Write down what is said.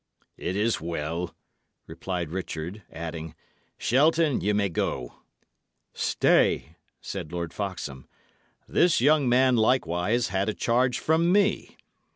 "It is well," replied Richard, adding, "Shelton, ye may go." "Stay!" said Lord Foxham. "This young man likewise had a charge from me.